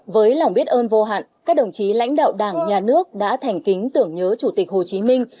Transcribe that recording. với lòng biết ơn vô hạn các đồng chí lãnh đạo đảng nhà nước đã thành kính tưởng nhớ chủ tịch hồ chí minh